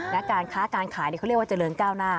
และการค้าการขายเขาเรียกว่าเจริญก้าวหน้า